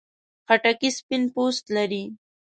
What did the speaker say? خټکی سپین پوست لري.